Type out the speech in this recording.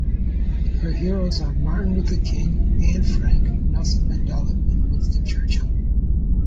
Her heroes are Martin Luther King, Anne Frank, Nelson Mandela and Winston Churchill.